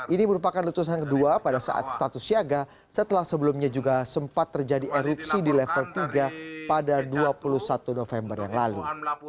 ini merupakan letusan kedua pada saat status siaga setelah sebelumnya juga sempat terjadi erupsi di level tiga pada dua puluh satu november yang lalu